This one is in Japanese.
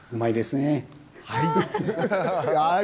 はい。